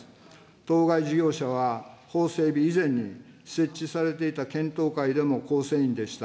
当該事業者は、法整備以前に、設置されていた検討会でも構成員でした。